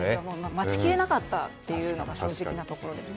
待ちきれなかったというのが正直なところですね。